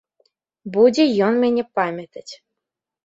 Будзе ён мяне памятаць.